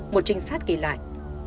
một trinh sát kể lại